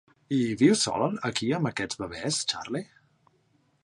I vius sol aquí amb aquests bebès, Charley?